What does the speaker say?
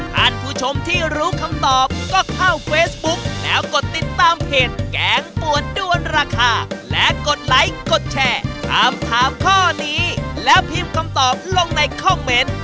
ท่านผู้ชมที่รู้คำตอบก็เข้าเฟซบุ๊กแล้วกดติดตามเพจแกงปวดด้วนราคาและกดไลค์กดแชร์ถามถามข้อนี้แล้วพิมพ์คำตอบลงในคอมเมนต์